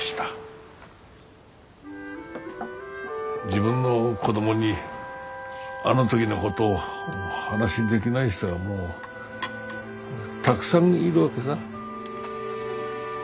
自分の子供にあの時のことを話できない人がもうたくさんいるわけさ。